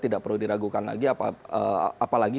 tidak perlu diragukan lagi apalagi